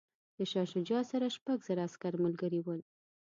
د شاه شجاع سره شپږ زره عسکر ملګري ول.